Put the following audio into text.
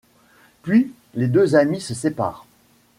Puis les deux amis se séparent.